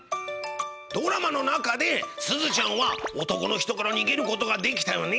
ドラマの中でスズちゃんは男の人からにげる事ができたよね。